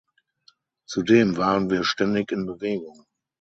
Zudem waren wir ständig in Bewegung.